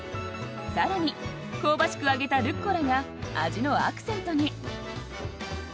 さらに香ばしく揚げたルッコラが味のアクセントに。